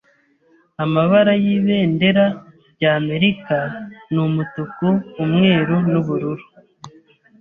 Amabara y'ibendera ry'Amerika ni umutuku, umweru n'ubururu.